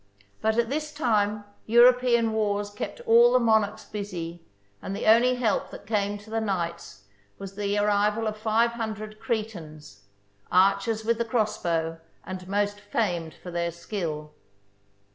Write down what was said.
But at this time Euro pean wars kept all the monarchs busy, and the only help that came to the knights was the arrival of five hundred Cretans — archers with the crossbow and most famed for their skill.